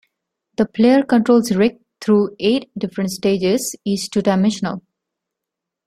The player controls Rick through eight different stages, each two-dimensional.